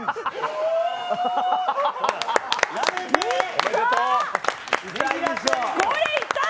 おめでとう！